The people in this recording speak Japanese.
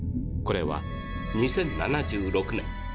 これは２０７６年。